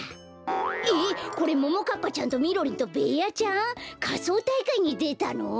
えっこれももかっぱちゃんとみろりんとベーヤちゃん？かそうたいかいにでたの？